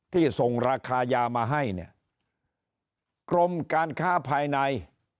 ที่ส่งราคายามาให้เนี่ยกรมการค้าภายใน